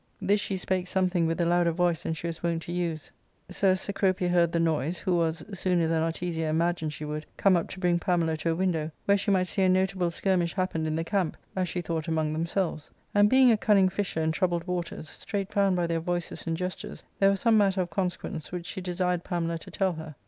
This she spake something with a louder voice than she was wont to use, so as Cecropia heard 312 ARCADIA.— Book III. the noise, who was, sooner than Artesia imagined she would, come up to bring Pamela to a window, where she might see a notable skirmish happened in the camp, as she thought among themselves ; and being a cunning fisher in troubled waters, straight found by their voices and gestures there was some matter of consequence, which she desired Pamela to tell her.